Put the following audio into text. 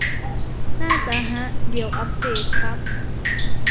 น่าจะฮะ เดี๋ยวอัปเดตครับ